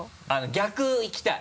逆いきたい！